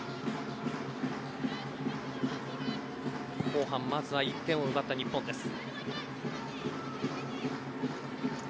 後半まずは１点を奪った日本です。